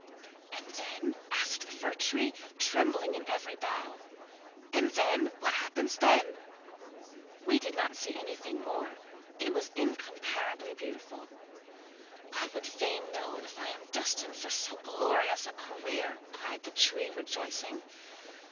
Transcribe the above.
"And then?" asked the Fir tree, trembling in every bough. "And then? What happens then?" "We did not see anything more: it was incomparably beautiful." "I would fain know if I am destined for so glorious a career," cried the Tree, rejoicing.